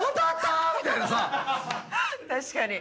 確かに。